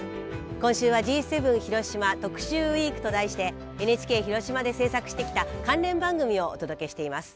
今週は「Ｇ７広島特集ウイーク」と題してＮＨＫ広島で制作してきた関連番組をお届けしています。